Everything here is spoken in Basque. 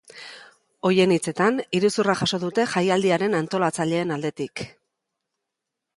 Horien hitzetan, iruzurra jaso dute jaialdiaren antolatzaileen aldetik.